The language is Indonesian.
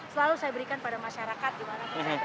selalu saya berikan pada masyarakat dimanapun saya berada